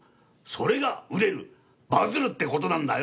それが売れるバズるって事なんだよ。